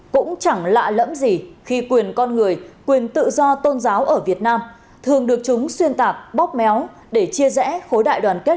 cũng chẳng lạ lẫm gì khi quyền con người quyền tự do tôn giáo ở việt nam thường được chúng xuyên tạc bóp méo để chia rẽ khối đại đoàn kết